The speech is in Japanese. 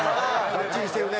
がっちりしてるね。